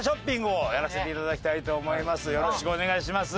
よろしくお願いします。